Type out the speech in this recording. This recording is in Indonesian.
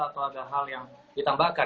atau ada hal yang ditambahkan